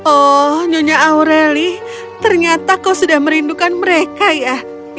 oh nyonya aureli ternyata kau sudah merindukan mereka ya